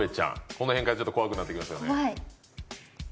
このへんからちょっと怖くなってきますよね。